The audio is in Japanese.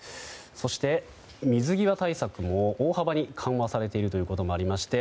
そして、水際対策も大幅に緩和されているということもありまして